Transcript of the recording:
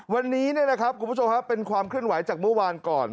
วันนี้นะครับคุณผู้ชมครับเป็นความเคลื่อนไหวจากเมื่อวานก่อน